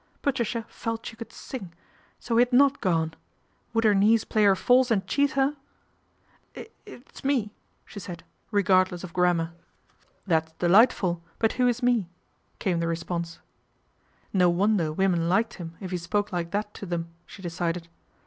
Patricia felt she could sing. So he had not gone ! Would her knees play her false and cheat her ? "|It's it's me," she said, regardless of grammar. 300 PATRICIA BRENT, SPINSTER " That's delightful ; but who is me ?" came the response. No wonder woman liked him if he spoke like that to them, she decided.